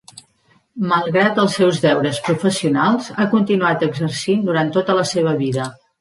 Malgrat els seus deures professionals, ha continuat exercint durant tota la seva vida.